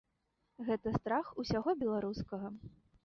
Гэта страх усяго беларускага.